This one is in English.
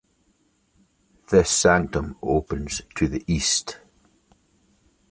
This sanctum opens to the east.